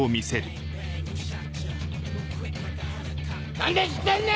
何で知ってんねん！